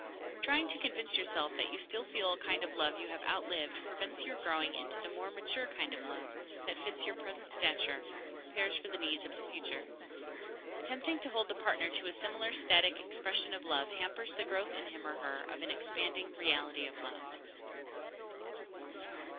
Trying to convince yourself that you still feel a kind of love you have outlived prevents your growing into the more mature kind of love that fits your present stature and prepares for the needs of the future. Attempting to hold the partner to a similar static expression of love hampers the growth in him or her of an expanding reality of love.